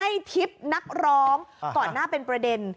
ให้ทิพย์นักร้องก่อนหน้าเป็นประเด็น